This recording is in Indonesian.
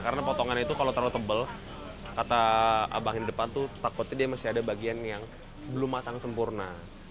karena potongannya itu kalau terlalu tebal kata abangnya di depan tuh takutnya dia masih ada bagian yang belum matang sempurna